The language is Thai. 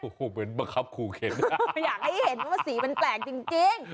โอ้โหเหมือนบังคับขู่เข็นอยากให้เห็นว่าสีมันแปลกจริง